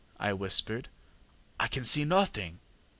ŌĆÖ I whispered; ŌĆśI can see nothing.